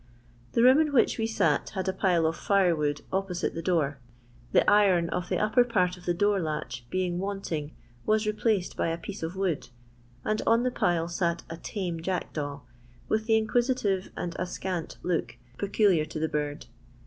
The room in which we sat had a pile of fire wood opposite the door ; the iron of the I upper part of the door latch being wanting was replaced by a piece of wood — and on the pUe sat a tame jackdaw, with the inquisitive and askant look peculiar to the bird.